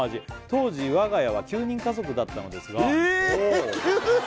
当時我が家は９人家族だったのですがえーっ９人？